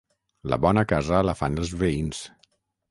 La bona casa la fan els veïns.